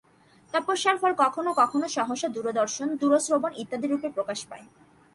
তপস্যার ফল কখনও কখনও সহসা দূরদর্শন, দূরশ্রবণ ইত্যাদি রূপে প্রকাশ পায়।